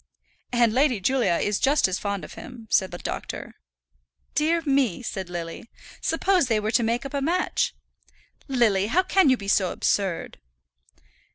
"And Lady Julia is just as fond of him," said the doctor. "Dear me!" said Lily. "Suppose they were to make up a match!" "Lily, how can you be so absurd?"